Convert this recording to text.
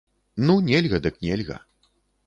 Ну, нельга, дык нельга.